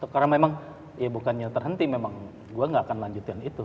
karena memang ya bukannya terhenti memang gue gak akan lanjutkan itu